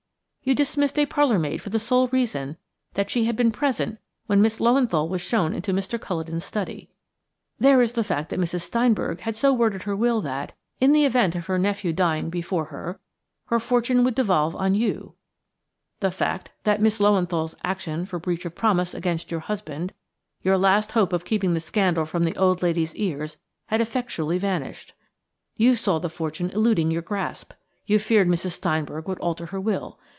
You dismissed a parlour maid for the sole reason that she had been present when Miss Löwenthal was shown into Mr. Culledon's study. There is the fact that Mrs. Steinberg had so worded her will that, in the event of her nephew dying before her, her fortune would devolve on you; the fact that, with Miss Löwenthal's action for breach of promise against your husband, your last hope of keeping the scandal from the old lady's ears had effectually vanished. You saw the fortune eluding your grasp; you feared Mrs. Steinberg would alter her will.